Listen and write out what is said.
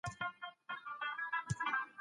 صنعتي انقلاب تر بل هر تحول اغیزمن و.